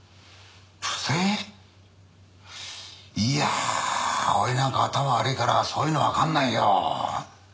いや俺なんか頭悪いからそういうのわかんないよ。